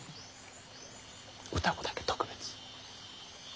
歌子だけ特別。